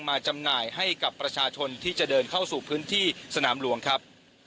จำหน่ายให้กับประชาชนที่จะเดินเข้าสู่พื้นที่สนามหลวงครับ